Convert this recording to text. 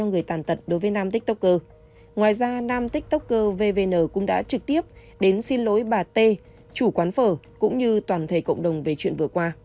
ngoài ra nam tiktoker vvn cũng đã trực tiếp đến xin lỗi bà t chủ quán phở cũng như toàn thể cộng đồng về chuyện vừa qua